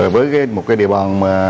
với một địa bàn